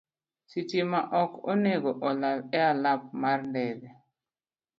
Sitima ok onego olal e alap mar ndege.